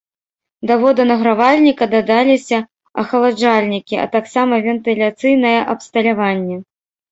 Да воданагравальніка дадаліся ахаладжальнікі, а таксама вентыляцыйнае абсталяванне.